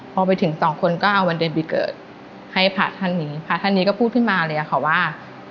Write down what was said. พอไปถึงสองคนก็เอาวันเดือนปีเกิดให้พระท่านนี้พระท่านนี้ก็พูดขึ้นมาเลยค่ะว่า